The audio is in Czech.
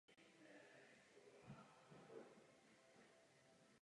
Je tomu téměř půl roku, co byla jmenována komisařka Redingová.